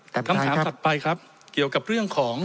คำถามถัดไปครับเกี่ยวกับเรื่องของ